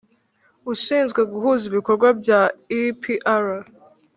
Ushinzwe guhuza ibikorwa bya epr